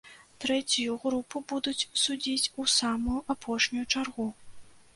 Трэцюю групу будуць судзіць у самую апошнюю чаргу.